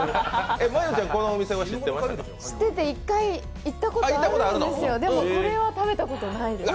このお店は知っていて、一回行ったことがあるんですが、でもこれは食べたことないです。